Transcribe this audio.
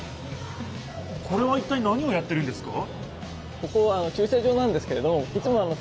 これはいったい何をやってるんですか？